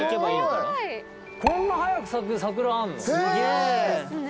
こんな早く咲く桜あんの？